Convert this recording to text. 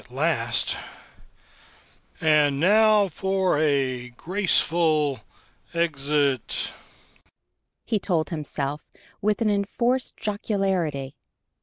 "I'm in her cabin at last and now for a graceful exit!" he told himself, with an enforced jocularity.